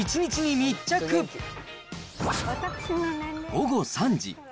午後３時。